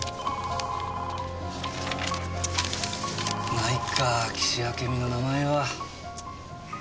ないか岸あけみの名前は。